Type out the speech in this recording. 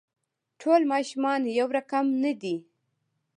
ټول ماشومان يو رقم نه دي.